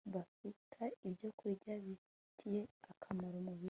batifata ibyokurya bifitiye akamaro umubiri